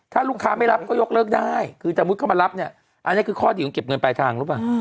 ถ้าลูกค้าไม่รับก็ยกเลิกได้คือสมมุติเข้ามารับเนี่ยอันนี้คือข้อดีของเก็บเงินปลายทางหรือเปล่า